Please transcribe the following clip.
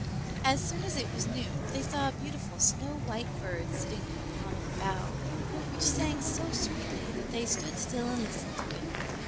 As soon as it was noon they saw a beautiful snow white bird sitting upon a bough which sang so sweetly that they stood still and listened to it.